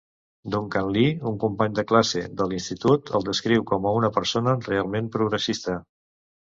Duncan Lee, un company de classe de l'institut, el descriu com a una "persona realment progressista".